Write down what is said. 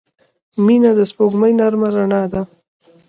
• مینه د سپوږمۍ نرمه رڼا ده.